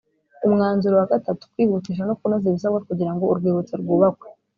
Umwanzuro wa gatatu kwihutisha no kunoza ibisabwa kugira ngo urwibutso rwubakwe